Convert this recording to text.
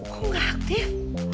kok nggak aktif